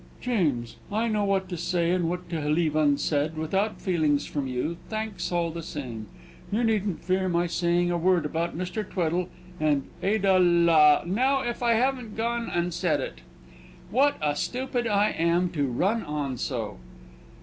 "James! I know what to say and what to leave unsaid, without tellings from you; thanks all the same. You needn't fear my saying a word about Mr. Tweddle and Ada la, now, if I haven't gone and said it! What a stupid I am to run on so!"